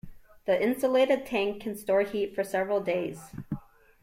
The insulated tank can store heat for several days.